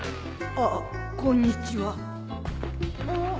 ああこんにちは。